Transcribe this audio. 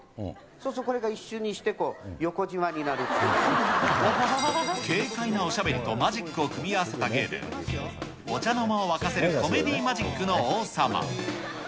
そうするとこれが一瞬にして横じ軽快なおしゃべりとマジックを組み合わせた芸で、お茶の間を沸かせるコメディーマジックの王様。